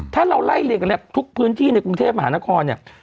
ถ้าเราไล่เรียงกันแล้วทุกพื้นที่ในกรุงเทพมหานครเนี่ย